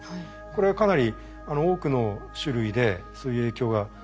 これはかなり多くの種類でそういう影響が出始めると。